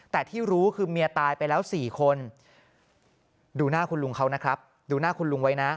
แต่ที่รู้คือเมียตายไปแล้ว๔คนดูหน้าคุณลุงเขานะครับดูหน้าคุณลุงไว้นะ